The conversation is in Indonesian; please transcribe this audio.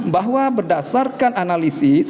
bahwa berdasarkan analisis